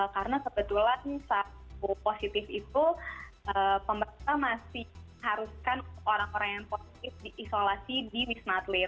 karena kebetulan saat aku positif itu pembakar masih mengharuskan orang orang yang positif diisolasi di wisma atlet